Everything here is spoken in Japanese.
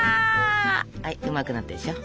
はいうまくなったでしょ。